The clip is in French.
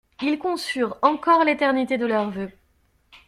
Ils conçurent encore l'éternité de leur vœu.